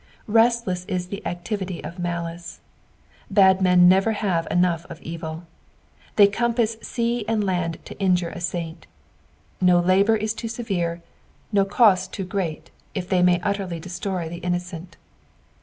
Restless ia the activity of malice. Bad men never have enough ot evil. They compass sea and land to injure a saint ; no labour is too severe, no cost too ^reat if they may utterly destroy the innocent.